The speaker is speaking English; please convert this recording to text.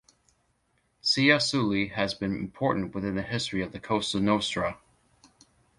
Ciaculli has been important within the history of the Cosa Nostra.